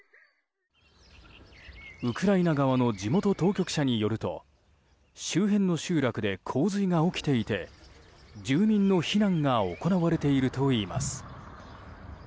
ウクライナ側の地元当局者によると周辺の集落で洪水が起きていて住民の避難が行われているといいます。